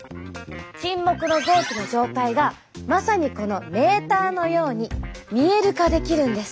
沈黙の臓器の状態がまさにこのメーターのように見える化できるんです。